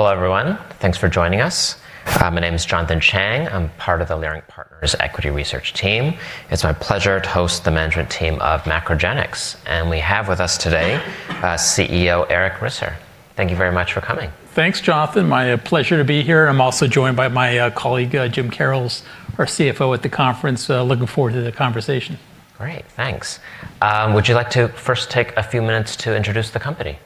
Hello, everyone. Thanks for joining us. My name is Jonathan Chang. I'm part of the Leerink Partners equity research team. It's my pleasure to host the management team of MacroGenics, and we have with us today, CEO Eric Risser. Thank you very much for coming. Thanks, Jonathan. My pleasure to be here. I'm also joined by my colleague, James Karrels, our CFO at the conference, looking forward to the conversation. Great. Thanks. Would you like to first take a few minutes to introduce the company?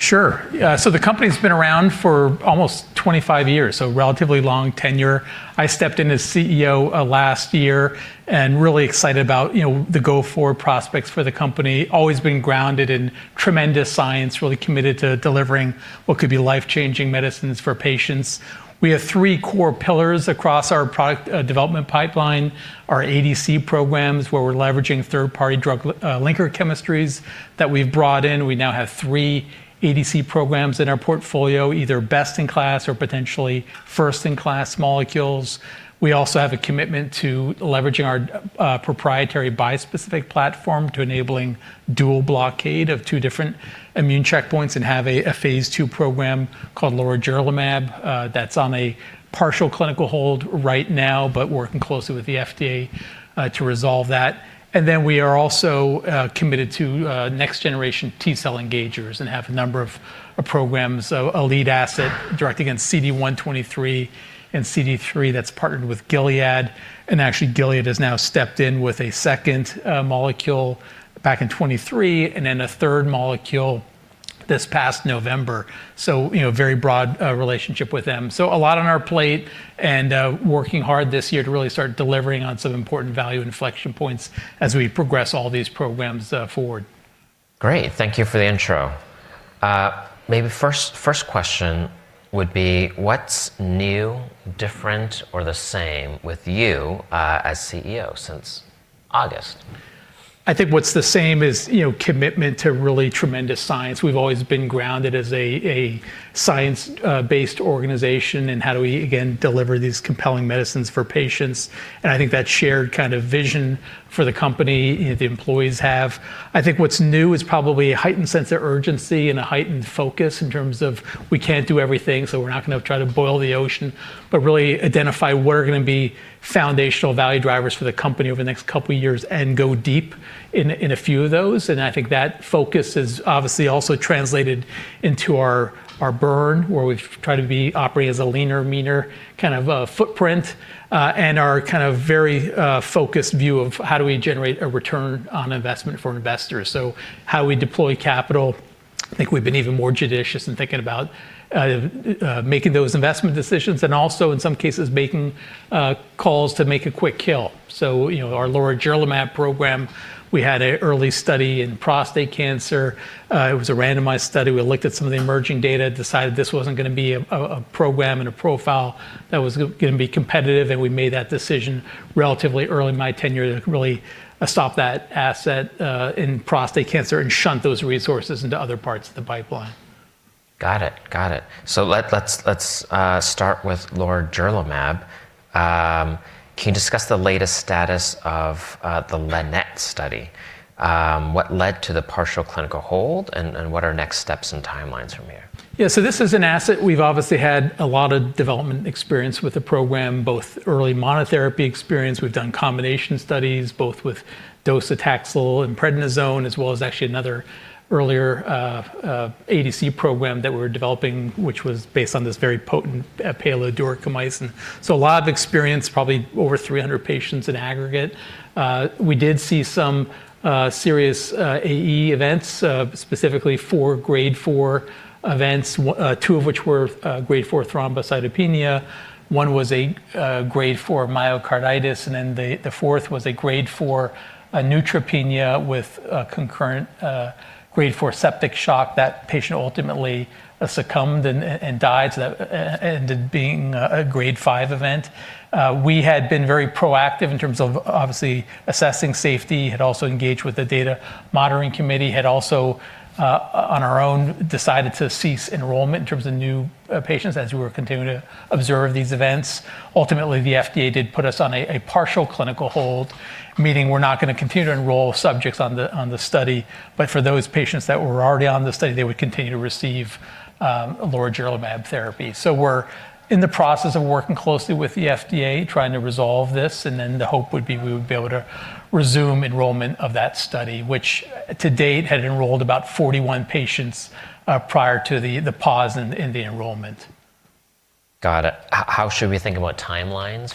Sure. Yeah. The company's been around for almost 25 years, so relatively long tenure. I stepped in as CEO last year and really excited about, you know, the go-forward prospects for the company. Always been grounded in tremendous science, really committed to delivering what could be life-changing medicines for patients. We have three core pillars across our product development pipeline. Our ADC programs, where we're leveraging third-party drug linker chemistries that we've brought in. We now have three ADC programs in our portfolio, either best in class or potentially first in class molecules. We also have a commitment to leveraging our proprietary bispecific platform to enabling dual blockade of two different immune checkpoints and have a Phase 2 program called lorigerlimab that's on a partial clinical hold right now, but working closely with the FDA to resolve that. We are also committed to next generation T-cell engagers and have a number of programs. A lead asset directed against CD123 and CD3 that's partnered with Gilead, and actually Gilead has now stepped in with a second molecule back in 2023 and then a third molecule this past November. You know, very broad relationship with them. A lot on our plate and working hard this year to really start delivering on some important value inflection points as we progress all these programs forward. Great. Thank you for the intro. Maybe first question would be what's new, different or the same with you as CEO since August? I think what's the same is, you know, commitment to really tremendous science. We've always been grounded as a science-based organization in how do we again deliver these compelling medicines for patients, and I think that shared kind of vision for the company, you know, the employees have. I think what's new is probably a heightened sense of urgency and a heightened focus in terms of we can't do everything, so we're not gonna try to boil the ocean, but really identify what are gonna be foundational value drivers for the company over the next couple of years and go deep in a few of those. I think that focus has obviously also translated into our burn, where we try to be operating as a leaner, meaner kind of footprint, and our kind of very focused view of how do we generate a return on investment for investors. How we deploy capital, I think we've been even more judicious in thinking about making those investment decisions and also in some cases making calls to make a quick kill. You know, our lorigerlimab program, we had an early study in prostate cancer. It was a randomized study. We looked at some of the emerging data, decided this wasn't gonna be a program and a profile that was gonna be competitive, and we made that decision relatively early in my tenure to really stop that asset in prostate cancer and shunt those resources into other parts of the pipeline. Got it. Let's start with lorigerlimab. Can you discuss the latest status of the LINNET study? What led to the partial clinical hold and what are next steps and timelines from here? Yeah. This is an asset we've obviously had a lot of development experience with the program, both early monotherapy experience. We've done combination studies, both with docetaxel and prednisone, as well as actually another earlier ADC program that we were developing, which was based on this very potent pyrrolobenzodiazepine. A lot of experience, probably over 300 patients in aggregate. We did see some serious AE events, specifically 4 Grade 4 events, 2 of which were Grade 4 thrombocytopenia. 1 was a Grade 4 myocarditis, and then the 4th was a Grade 4 neutropenia with a concurrent Grade 4 septic shock. That patient ultimately succumbed and died, so that ended being a Grade 5 event. We had been very proactive in terms of obviously assessing safety, had also engaged with the data monitoring committee, had also on our own decided to cease enrollment in terms of new patients as we were continuing to observe these events. Ultimately, the FDA did put us on a partial clinical hold, meaning we're not gonna continue to enroll subjects on the study, but for those patients that were already on the study, they would continue to receive lorigerlimab therapy. We're in the process of working closely with the FDA, trying to resolve this, and then the hope would be we would be able to resume enrollment of that study, which to date had enrolled about 41 patients prior to the pause in the enrollment. Got it. How should we think about timelines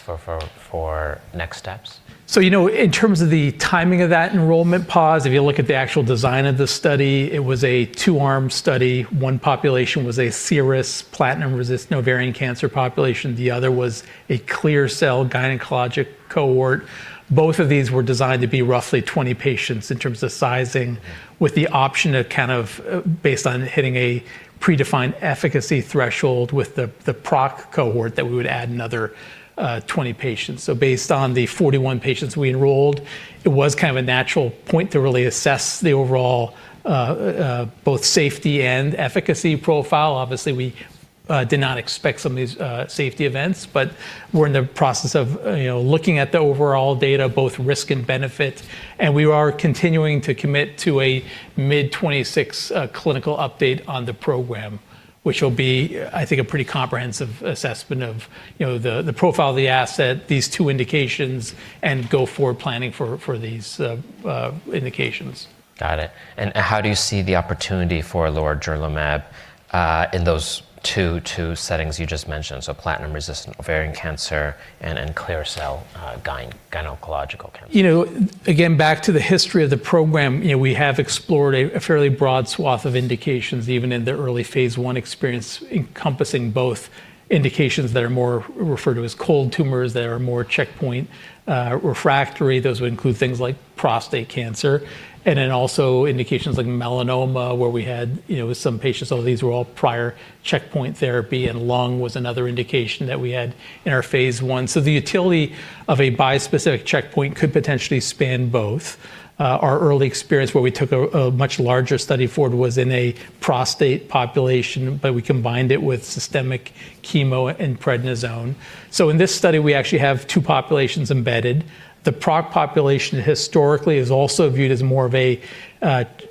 for next steps? You know, in terms of the timing of that enrollment pause, if you look at the actual design of the study, it was a two-arm study. One population was a serous platinum-resistant ovarian cancer population. The other was a clear cell gynecologic cohort. Both of these were designed to be roughly 20 patients in terms of sizing with the option to kind of based on hitting a predefined efficacy threshold with the PROC cohort that we would add another 20 patients. Based on the 41 patients we enrolled, it was kind of a natural point to really assess the overall, both safety and efficacy profile. Obviously, we did not expect some of these safety events, but we're in the process of, you know, looking at the overall data, both risk and benefit, and we are continuing to commit to a mid-2026 clinical update on the program, which will be, I think, a pretty comprehensive assessment of, you know, the profile of the asset, these two indications, and go-forward planning for these indications. Got it. How do you see the opportunity for lorigerlimab in those two settings you just mentioned, so platinum-resistant ovarian cancer and in clear cell gynecologic cancer? You know, again, back to the history of the program, you know, we have explored a fairly broad swath of indications, even in the early Phase 1 experience, encompassing both indications that are more referred to as cold tumors that are more checkpoint refractory. Those would include things like prostate cancer and then also indications like melanoma, where we had, you know, some patients, some of these were all prior checkpoint therapy, and lung was another indication that we had in our Phase 1. The utility of a bispecific checkpoint could potentially span both. Our early experience where we took a much larger study forward was in a prostate population, but we combined it with systemic chemo and prednisone. In this study, we actually have two populations embedded. The PROC population historically is also viewed as more of a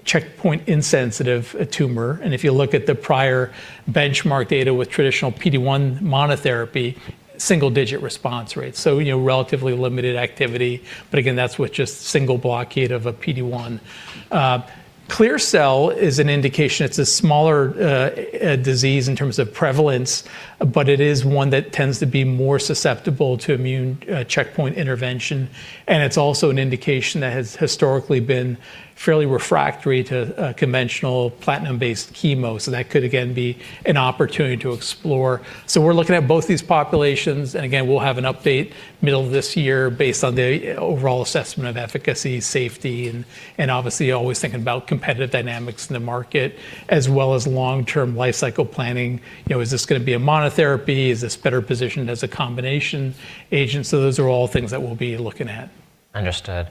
checkpoint-insensitive tumor. If you look at the prior benchmark data with traditional PD-1 monotherapy, single-digit response rates, so, you know, relatively limited activity. But again, that's with just single blockade of a PD-1. Clear cell is an indication. It's a smaller disease in terms of prevalence, but it is one that tends to be more susceptible to immune checkpoint intervention, and it's also an indication that has historically been fairly refractory to conventional platinum-based chemo. So that could again be an opportunity to explore. So we're looking at both these populations, and again, we'll have an update middle of this year based on the overall assessment of efficacy, safety, and obviously always thinking about competitive dynamics in the market as well as long-term lifecycle planning. You know, is this gonna be a monotherapy? Is this better positioned as a combination agent? Those are all things that we'll be looking at. Understood.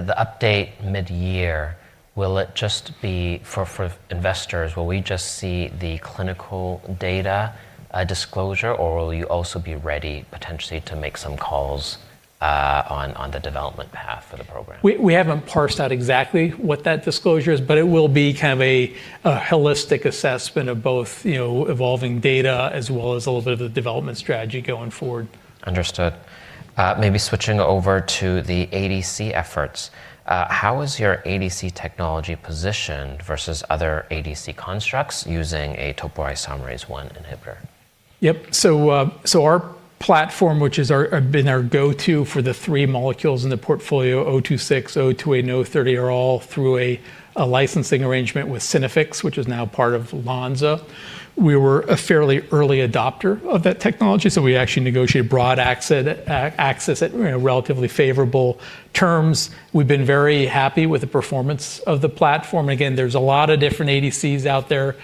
The update mid-year, will it just be for investors? Will we just see the clinical data, disclosure, or will you also be ready potentially to make some calls, on the development path for the program? We haven't parsed out exactly what that disclosure is, but it will be kind of a holistic assessment of both, you know, evolving data as well as a little bit of the development strategy going forward. Understood. Maybe switching over to the ADC efforts, how is your ADC technology positioned versus other ADC constructs using a topoisomerase I inhibitor? Our platform, which has been our go-to for the three molecules in the portfolio, MGC026, MGC028, and MGC030 are all through a licensing arrangement with Synaffix, which is now part of Lonza. We were a fairly early adopter of that technology, so we actually negotiated broad access at, you know, relatively favorable terms. We've been very happy with the performance of the platform. Again, there's a lot of different ADCs out there.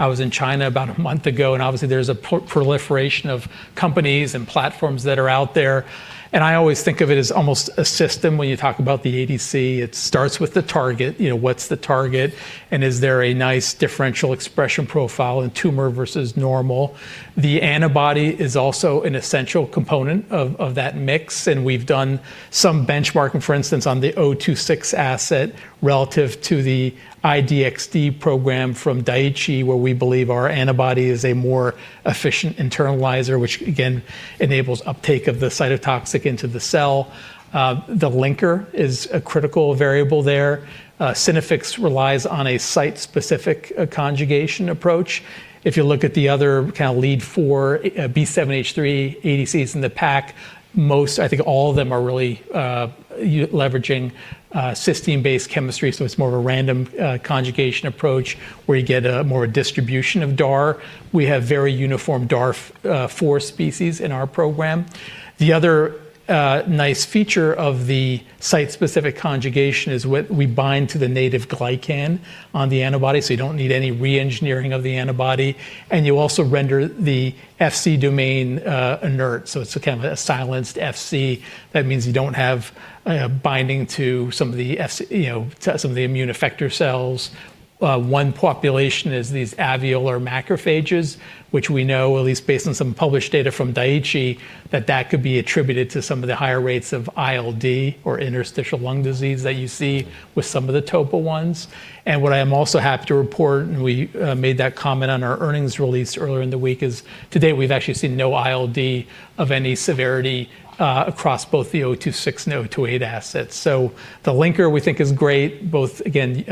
I was in China about a month ago, and obviously, there's a proliferation of companies and platforms that are out there. I always think of it as almost a system when you talk about the ADC. It starts with the target, you know, what's the target, and is there a nice differential expression profile in tumor versus normal? The antibody is also an essential component of that mix, and we've done some benchmarking, for instance, on the MGC026 asset relative to the DXd program from Daiichi, where we believe our antibody is a more efficient internalizer, which again enables uptake of the cytotoxic into the cell. The linker is a critical variable there. Synaffix relies on a site-specific conjugation approach. If you look at the other kind of leading B7-H3 ADCs in the space, most, I think all of them are really leveraging cysteine-based chemistry, so it's more of a random conjugation approach where you get more of a distribution of DAR. We have very uniform DAR four species in our program. The other nice feature of the site-specific conjugation is we bind to the native glycan on the antibody, so you don't need any re-engineering of the antibody, and you also render the Fc domain inert, so it's kind of a silenced Fc. That means you don't have binding to, you know, some of the immune effector cells. One population is these alveolar macrophages, which we know, at least based on some published data from Daiichi, that that could be attributed to some of the higher rates of ILD or interstitial lung disease that you see with some of the topo ones. What I am also happy to report, and we made that comment on our earnings release earlier in the week, is to date, we've actually seen no ILD of any severity across both the MGC026 and MGC028 assets. The linker we think is great, both, again,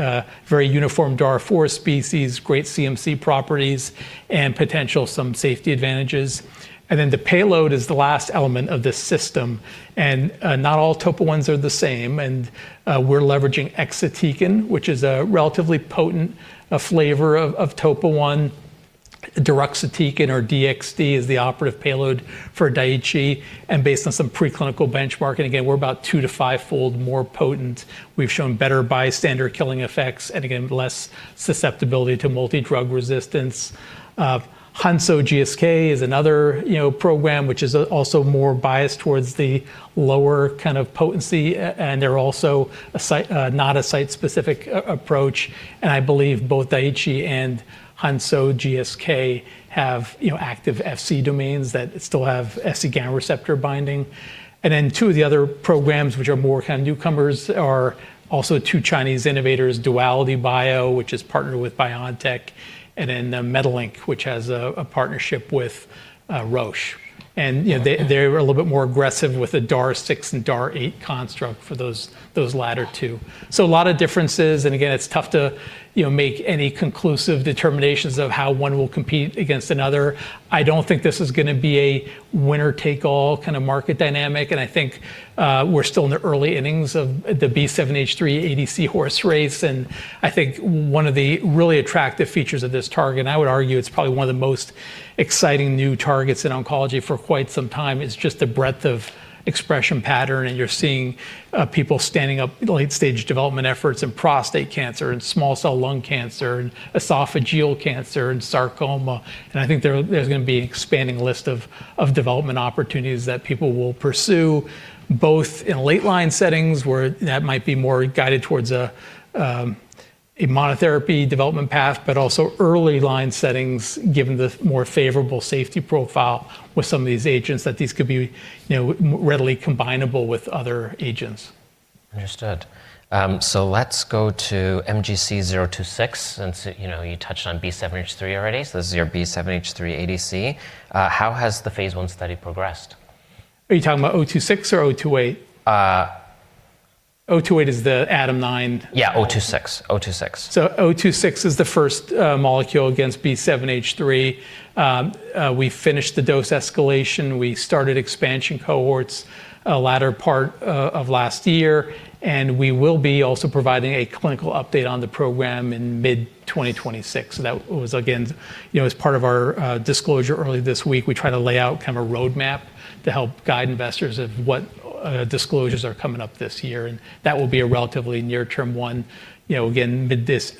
very uniform DAR four species, great CMC properties, and potentially some safety advantages. The payload is the last element of this system, and not all topo ones are the same, and we're leveraging exatecan, which is a relatively potent flavor of topo one. Deruxtecan or DXD is the operative payload for Daiichi, and based on some preclinical benchmarking, again, we're about 2- to 5-fold more potent. We've shown better bystander killing effects and again, less susceptibility to multi-drug resistance. Hansoh Pharma/GSK is another, you know, program which is also more biased towards the lower kind of potency, and they're also not a site-specific approach. I believe both Daiichi and Hansoh Pharma/GSK have, you know, active Fc domains that still have Fc gamma receptor binding. Then two of the other programs which are more kind of newcomers are also two Chinese innovators, DualityBio, which is partnered with BioNTech, and then, MediLink, which has a partnership with, Roche. You know, they're a little bit more aggressive with the DAR 6 and DAR 8 construct for those latter two. A lot of differences, and again, it's tough to, you know, make any conclusive determinations of how one will compete against another. I don't think this is gonna be a winner-take-all kind of market dynamic, and I think, we're still in the early innings of the B7H3 ADC horse race. I think one of the really attractive features of this target, and I would argue it's probably one of the most exciting new targets in oncology for quite some time, is just the breadth of expression pattern. You're seeing people standing up late-stage development efforts in prostate cancer and small cell lung cancer and esophageal cancer and sarcoma. I think there's gonna be an expanding list of development opportunities that people will pursue, both in late line settings where that might be more guided towards a monotherapy development path, but also early line settings, given the more favorable safety profile with some of these agents, that these could be, you know, more readily combinable with other agents. Understood. Let's go to MGC026, since, you know, you touched on B7H3 already, so this is your B7H3 ADC. How has the Phase 1 study progressed? Are you talking about 026 or 028? Uh... Oh two eight is the ADAM9- Yeah, 026. MGC026 is the first molecule against B7-H3. We finished the dose escalation. We started expansion cohorts latter part of last year, and we will be also providing a clinical update on the program in mid-2026. That was again, you know, as part of our disclosure early this week. We try to lay out kind of a roadmap to help guide investors of what disclosures are coming up this year, and that will be a relatively near-term one, you know, again, mid this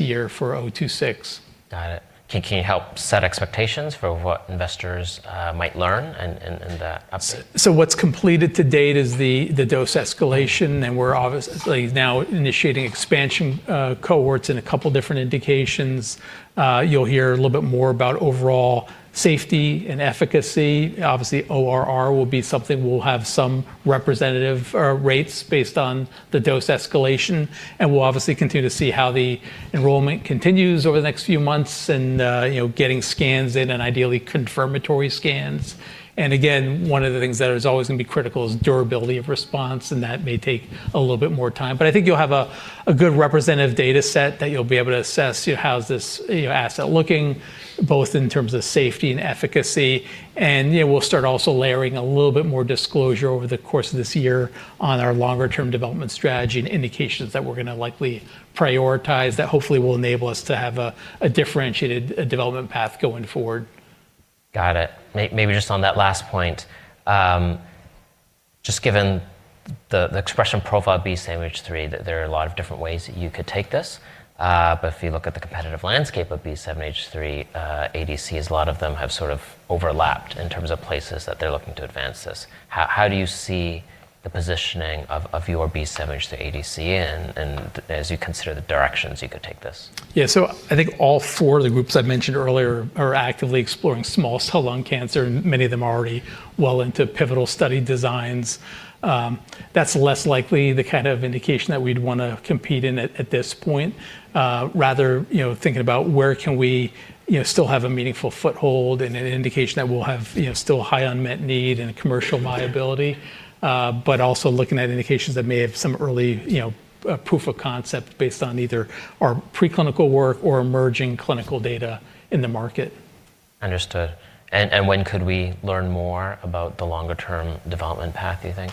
year for MGC026. Got it. Can you help set expectations for what investors might learn in the update? What's completed to date is the dose escalation, and we're obviously now initiating expansion cohorts in a couple different indications. You'll hear a little bit more about overall safety and efficacy. Obviously, ORR will be something we'll have some representative rates based on the dose escalation, and we'll obviously continue to see how the enrollment continues over the next few months and, you know, getting scans in and ideally confirmatory scans. One of the things that is always going to be critical is durability of response, and that may take a little bit more time. I think you'll have a good representative data set that you'll be able to assess, you know, how's this, you know, asset looking, both in terms of safety and efficacy. You know, we'll start also layering a little bit more disclosure over the course of this year on our longer term development strategy and indications that we're gonna likely prioritize that hopefully will enable us to have a differentiated development path going forward. Got it. Maybe just on that last point, just given the expression profile B7H3, that there are a lot of different ways that you could take this. If you look at the competitive landscape of B7H3 ADCs, a lot of them have sort of overlapped in terms of places that they're looking to advance this. How do you see the positioning of your B7H3 ADC, and as you consider the directions you could take this? Yeah. I think all four of the groups I mentioned earlier are actively exploring small cell lung cancer, and many of them are already well into pivotal study designs. That's less likely the kind of indication that we'd wanna compete in at this point. Rather, you know, thinking about where can we, you know, still have a meaningful foothold and an indication that we'll have, you know, still high unmet need and commercial viability, but also looking at indications that may have some early, you know, proof of concept based on either our preclinical work or emerging clinical data in the market. Understood. When could we learn more about the longer-term development path, do you think?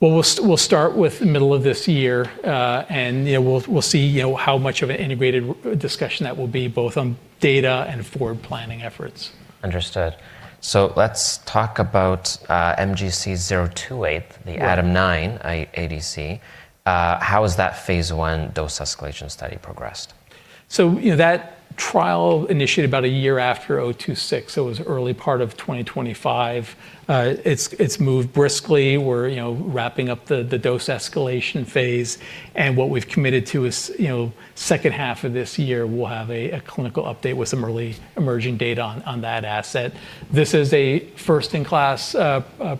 Well, we'll start with middle of this year, and, you know, we'll see, you know, how much of an integrated discussion that will be, both on data and forward planning efforts. Understood. Let's talk about MGC028. Yeah the ADAM9 ADC. How has that Phase 1 dose escalation study progressed? That trial initiated about a year after 026, so it was early part of 2025. It's moved briskly. We're wrapping up the dose escalation Phase, and what we've committed to is, you know, second half of this year, we'll have a clinical update with some early emerging data on that asset. This is a first in class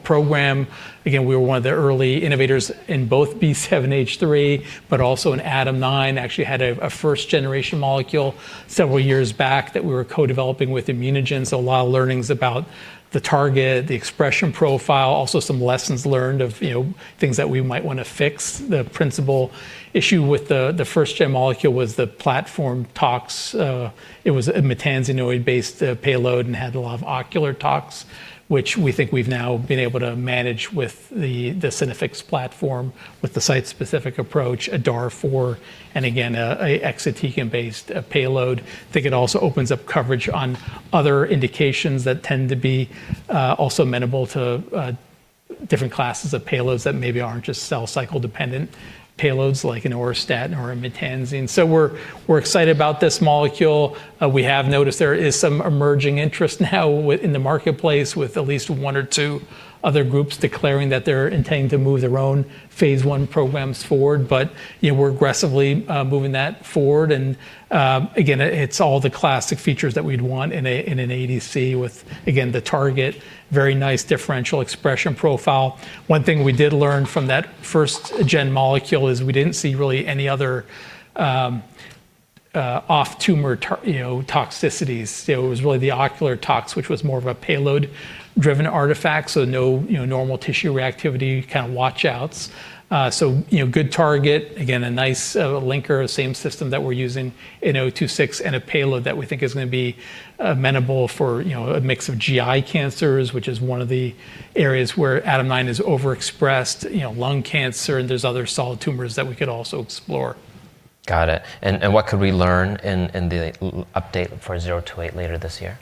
program. Again, we were one of the early innovators in both B7H3 but also in ADAM9, actually had a first-generation molecule several years back that we were co-developing with ImmunoGen, so a lot of learnings about the target, the expression profile, also some lessons learned of, you know, things that we might wanna fix. The principal issue with the first-gen molecule was the platform tox. It was a maytansinoid-based payload and had a lot of ocular tox, which we think we've now been able to manage with the Synaffix platform with the site-specific approach, a DAR 4, and again, a exatecan-based payload. I think it also opens up coverage on other indications that tend to be also amenable to different classes of payloads that maybe aren't just cell cycle-dependent payloads, like an auristatin or a maytansine. We're excited about this molecule. We have noticed there is some emerging interest now in the marketplace with at least one or two other groups declaring that they're intending to move their own Phase 1 programs forward. You know, we're aggressively moving that forward, and again, it's all the classic features that we'd want in an ADC with, again, the target, very nice differential expression profile. One thing we did learn from that first gen molecule is we didn't see really any other off-tumor toxicities. You know, it was really the ocular tox, which was more of a payload-driven artifact, so no, you know, normal tissue reactivity kind of watch outs. You know, good target. Again, a nice linker, same system that we're using in 026, and a payload that we think is gonna be amenable for, you know, a mix of GI cancers, which is one of the areas where ADAM9 is overexpressed. You know, lung cancer, and there's other solid tumors that we could also explore. Got it. What could we learn in the update for 028 later this year?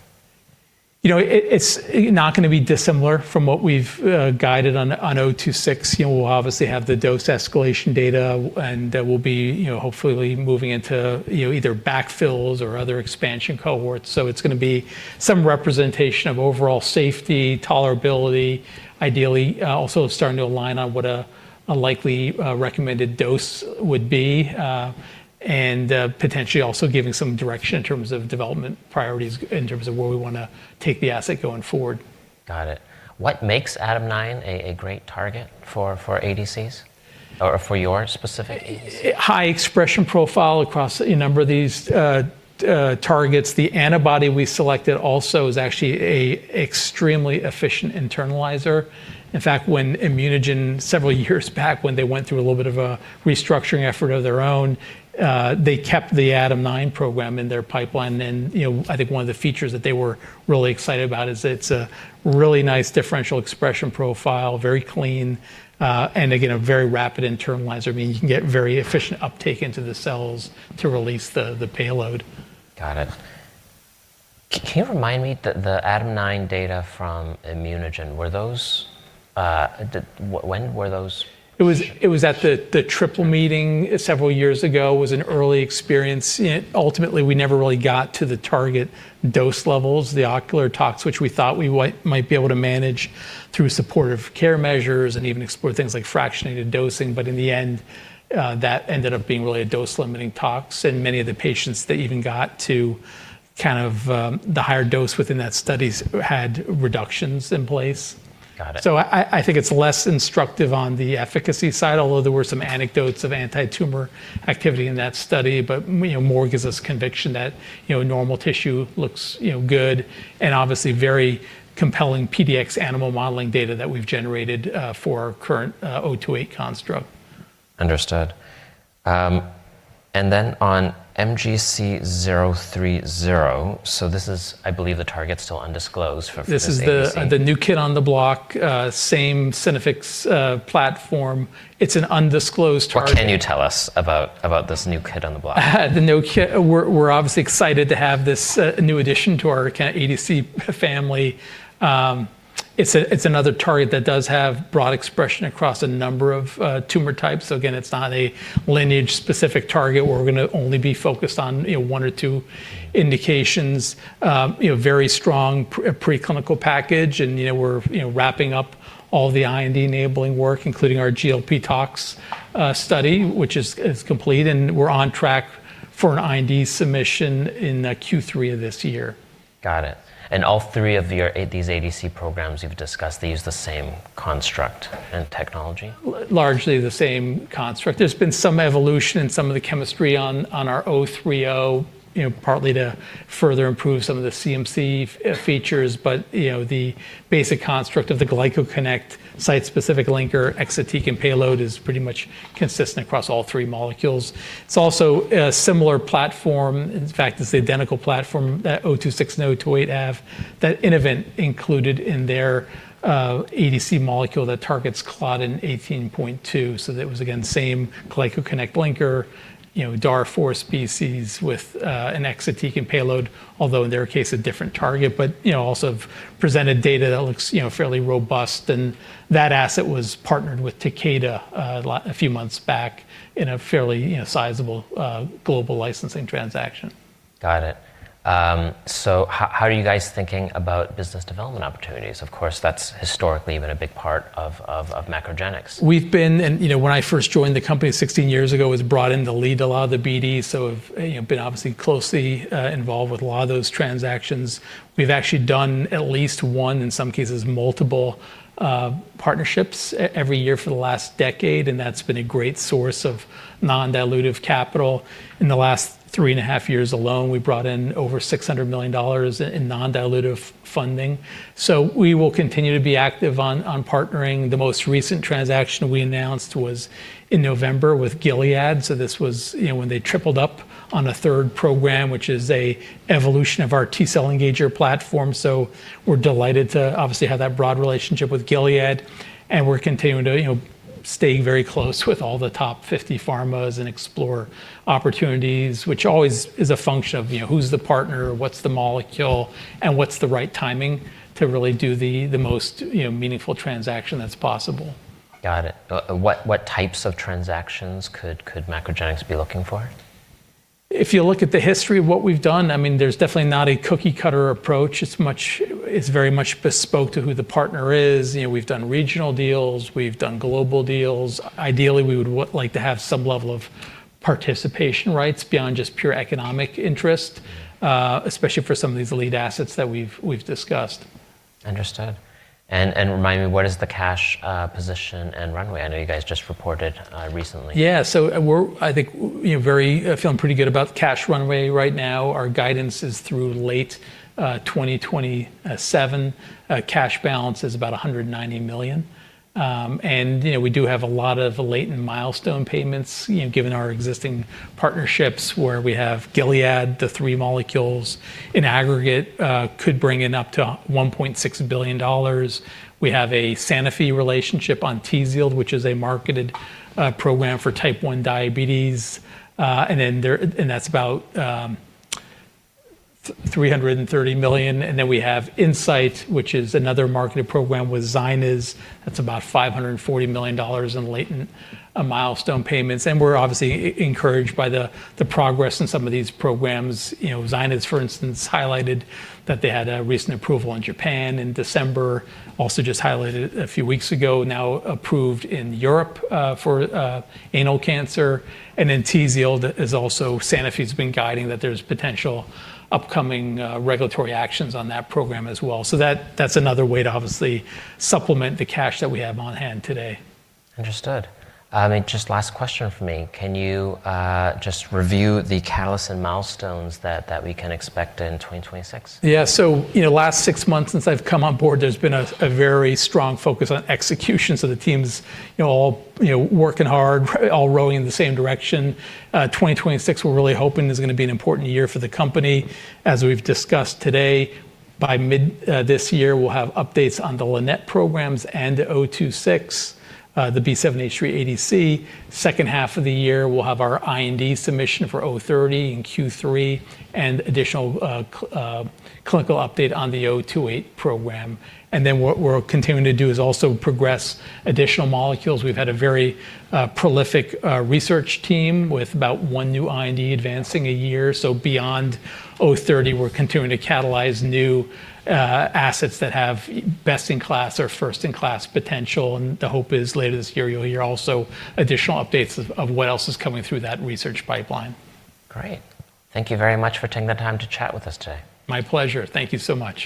You know, it's not gonna be dissimilar from what we've guided on 026. You know, we'll obviously have the dose escalation data and that we'll be hopefully moving into either backfills or other expansion cohorts. It's gonna be some representation of overall safety, tolerability. Ideally, also starting to align on what a likely recommended dose would be, and potentially also giving some direction in terms of development priorities in terms of where we wanna take the asset going forward. Got it. What makes ADAM9 a great target for ADCs? Or for your specific ADC? High expression profile across a number of these targets. The antibody we selected also is actually an extremely efficient internalizer. In fact, when ImmunoGen, several years back, when they went through a little bit of a restructuring effort of their own, they kept the ADAM9 program in their pipeline. You know, I think one of the features that they were really excited about is its really nice differential expression profile, very clean, and again, a very rapid internalizer, meaning you can get very efficient uptake into the cells to release the payload. Got it. Can you remind me the ADAM9 data from ImmunoGen? When were those? It was at the EORTC-NCI-AACR Symposium several years ago. It was an early experience. Ultimately, we never really got to the target dose levels. The ocular tox, which we thought we might be able to manage through supportive care measures and even explore things like fractionated dosing, but in the end, that ended up being really a dose-limiting tox. Many of the patients that even got to kind of the higher dose within that studies had reductions in place. Got it. I think it's less instructive on the efficacy side, although there were some anecdotes of anti-tumor activity in that study. You know, more gives us conviction that, you know, normal tissue looks, you know, good and obviously very compelling PDX animal modeling data that we've generated for current MGC028 construct. Understood. On MGC030, I believe the target's still undisclosed for this ADC. This is the new kid on the block, same Synaffix platform. It's an undisclosed target. What can you tell us about this new kid on the block? We're obviously excited to have this new addition to our ADC family. It's another target that does have broad expression across a number of tumor types. Again, it's not a lineage-specific target where we're gonna only be focused on, you know, one or two indications. You know, very strong preclinical package and, you know, we're wrapping up all the IND-enabling work, including our GLP toxicology study, which is complete, and we're on track for an IND submission in Q3 of this year. Got it. All three of these ADC programs you've discussed, they use the same construct and technology? Largely the same construct. There's been some evolution in some of the chemistry on our 030, you know, partly to further improve some of the CMC features. You know, the basic construct of the GlycoConnect site-specific linker exatecan and payload is pretty much consistent across all three molecules. It's also a similar platform. In fact, it's the identical platform that 026 and 028 have that Innovent included in their ADC molecule that targets claudin 18.2. That was again same GlycoConnect linker, you know, DAR 4 species with an exatecan and payload, although in their case, a different target. You know, also have presented data that looks, you know, fairly robust, and that asset was partnered with Takeda a few months back in a fairly, you know, sizable global licensing transaction. Got it. How are you guys thinking about business development opportunities? Of course, that's historically been a big part of MacroGenics. You know, when I first joined the company 16 years ago, was brought in to lead a lot of the BD, so I've, you know, been obviously closely involved with a lot of those transactions. We've actually done at least one, in some cases, multiple partnerships every year for the last decade, and that's been a great source of non-dilutive capital. In the last three and a half years alone, we brought in over $600 million in non-dilutive funding. We will continue to be active on partnering. The most recent transaction we announced was in November with Gilead, so this was, you know, when they tripled up on a third program, which is an evolution of our T-cell engager platform. We're delighted to obviously have that broad relationship with Gilead, and we're continuing to, you know, stay very close with all the top fifty pharmas and explore opportunities, which always is a function of, you know, who's the partner, what's the molecule, and what's the right timing to really do the most, you know, meaningful transaction that's possible. Got it. What types of transactions could MacroGenics be looking for? If you look at the history of what we've done, I mean, there's definitely not a cookie-cutter approach. It's very much bespoke to who the partner is. You know, we've done regional deals. We've done global deals. Ideally, we would like to have some level of participation rights beyond just pure economic interest. Mm-hmm. Especially for some of these lead assets that we've discussed. Understood. Remind me, what is the cash position and runway? I know you guys just reported recently. Yeah. I think you know, we're feeling pretty good about the cash runway right now. Our guidance is through late 2027. Cash balance is about $190 million. You know, we do have a lot of latent milestone payments, you know, given our existing partnerships where we have Gilead. The three molecules in aggregate could bring in up to $1.6 billion. We have a Sanofi relationship on Tzield, which is a marketed program for type 1 diabetes. That's about $330 million. We have Incyte, which is another marketed program with ZYNYZ. That's about $540 million in latent milestone payments. We're obviously encouraged by the progress in some of these programs. You know, ZYNYZ, for instance, highlighted that they had a recent approval in Japan in December, also just highlighted a few weeks ago, now approved in Europe, for anal cancer. TZIELD is also Sanofi's been guiding that there's potential upcoming regulatory actions on that program as well. That, that's another way to obviously supplement the cash that we have on hand today. Understood. Just last question from me. Can you just review the catalyst and milestones that we can expect in 2026? Yeah. You know, last 6 months since I've come on board, there's been a very strong focus on execution. The team's, you know, all, you know, working hard, all rowing in the same direction. 2026, we're really hoping is gonna be an important year for the company. As we've discussed today, by mid this year, we'll have updates on the LINNET programs and the MGC026, the B7-H3 ADC. Second half of the year, we'll have our IND submission for MGC030 in Q3 and additional clinical update on the MGC028 program. What we're continuing to do is also progress additional molecules. We've had a very prolific research team with about one new IND advancing a year. Beyond 2030, we're continuing to catalyze new assets that have best in class or first in class potential. The hope is later this year, you'll hear also additional updates of what else is coming through that research pipeline. Great. Thank you very much for taking the time to chat with us today. My pleasure. Thank you so much.